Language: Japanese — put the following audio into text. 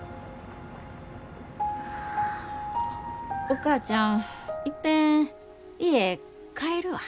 お母ちゃんいっぺん家帰るわ。